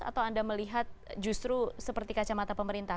atau anda melihat justru seperti kacamata pemerintah